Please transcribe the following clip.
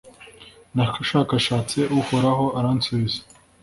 nashakashatse uhoraho, aransubiza